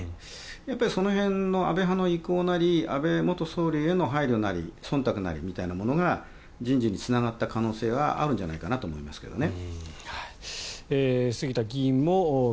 やっぱり安倍派の意向なり安倍元総理への配慮なりそんたくなりみたいなものが人事につながった可能性はあるんじゃないかなと思いますけどね。